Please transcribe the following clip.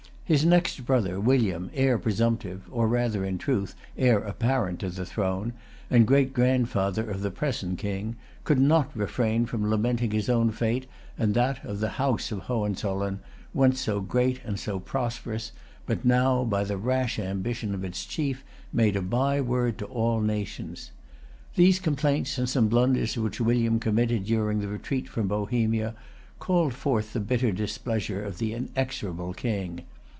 His next brother, William, heir presumptive, or rather, in truth, heir apparent to the throne, and great grandfather of the present king, could not refrain from lamenting his own fate and that of the House of Hohenzollern, once so great and so prosperous, but now, by the rash ambition of its chief, made a byword to all nations. These complaints, and some blunders which William committed during the retreat from Bohemia, called forth the bitter displeasure of the inexorable King.